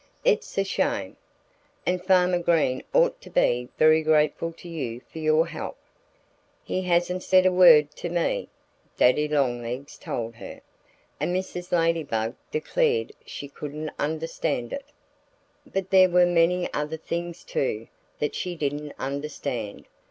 "It's a shame. And Farmer Green ought to be very grateful to you for your help." "He hasn't said a word to me," Daddy Longlegs told her. And Mrs. Ladybug declared she couldn't understand it. But there were many other things, too, that she didn't understand.